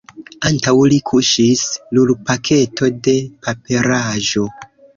Antaŭ li kuŝis rulpaketo de paperaĵo.